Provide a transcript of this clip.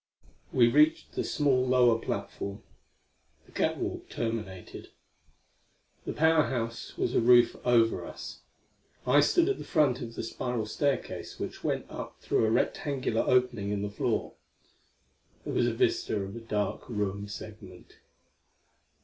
We reached the small lower platform. The catwalk terminated. The Power House was a roof over us. I stood at the foot of the spiral staircase, which went up through a rectangular opening in the floor. There was a vista of a dark room segment.